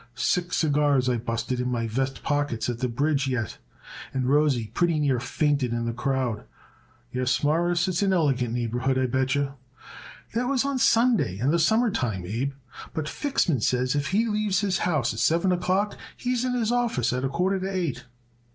Six cigars I busted in my vest pockets at the bridge yet and Rosie pretty near fainted in the crowd. Yes, Mawruss, it's an elegant neighborhood, I bet yer." "That was on Sunday and the summer time, Abe, but Fixman says if he leaves his house at seven o'clock, he is in his office at a quarter to eight."